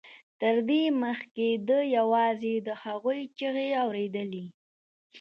تر دې مخکې ده یوازې د هغوی چیغې اورېدلې